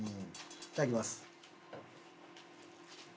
いただきます。